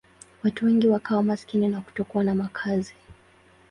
Watu wengi wakawa maskini na kutokuwa na makazi.